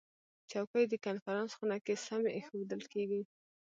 چوکۍ د کنفرانس خونه کې سمې ایښودل کېږي.